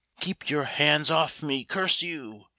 Keep your hands off me, curse you